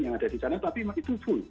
yang ada di sana tapi makin full